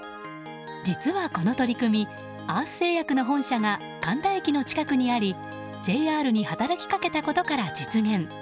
実はこの取り組みアース製薬の本社が神田駅の近くにありＪＲに働きかけたことから実現。